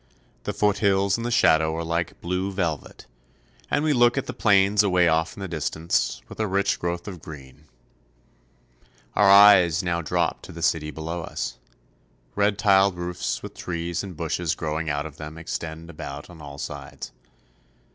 The foothills in the shadow are like blue velvet, and we look at the plains away off in the distance, with their rich growth of green. SANTIAGO. 125 Our eyes now drop to the city below us. Red tiled roofs with trees and bushes growing out of them extend about on all sides.